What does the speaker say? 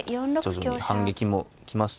徐々に反撃も来ましたね。